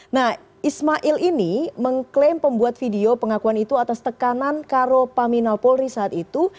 nah ismail ini mengklaim pembuat video pengakuan itu atas tekanan karo paminal polri saat itu